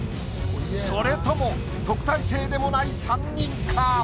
それとも特待生でもない３人か？